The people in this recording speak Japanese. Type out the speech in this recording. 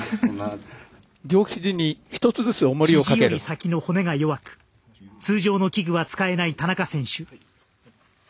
ひじより先の骨が弱く通常の器具は使えない田中選手。